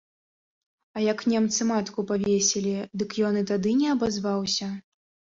А як немцы матку павесілі, дык ён і тады не абазваўся?